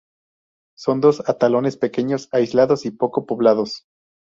Son dos atolones pequeños, aislados y poco poblados.